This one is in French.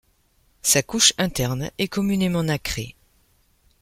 Sa couche interne est communément nacrée.